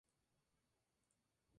Comprende la pedanía de La Higuera.